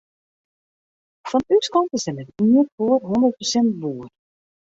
Fan ús kant is der net ien foar hûndert persint boer.